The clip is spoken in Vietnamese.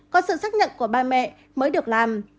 có sự xác nhận của ba mẹ mới được làm